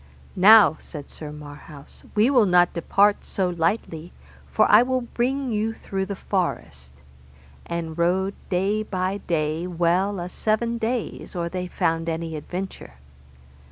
Now, said Sir Marhaus, we will not depart so lightly, for I will bring you through the forest; and rode day by day well a seven days or they found any adventure.